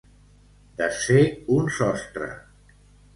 Desfer un sostre.